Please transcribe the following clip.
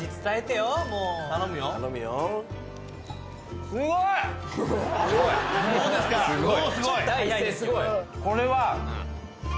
どうすごい？これは。